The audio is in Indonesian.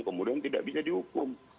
kemudian tidak bisa dihukum